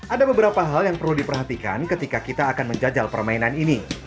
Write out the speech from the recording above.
ada beberapa hal yang perlu diperhatikan ketika kita akan menjajal permainan ini